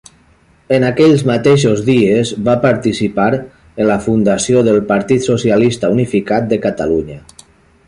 En aquells mateixos dies va participar en la fundació del Partit Socialista Unificat de Catalunya.